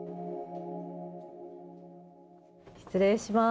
失礼します。